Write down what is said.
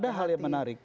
ada hal yang menarik